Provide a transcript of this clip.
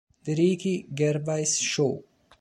The Ricky Gervais Show